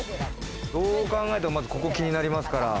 どう考えてもここ気になりますから。